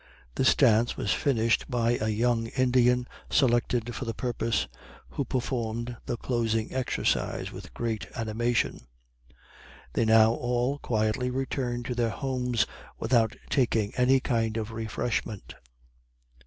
This dance was finished by a young Indian, selected for the purpose, who performed the closing exercise with great animation. They now all quietly returned to their homes without taking any kind of refreshment.